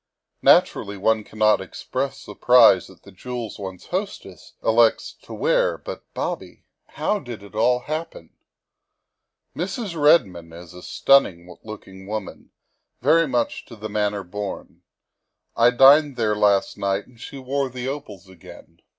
Naturally one cannot express surprise at the jewels one's hostess elects to wear, but, Bobby, how did it all happen? Mrs. Redmond is a stunning looking woman, very much to the manner born. I dined there last night and she wore the opals again.